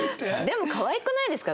でもかわいくないですか？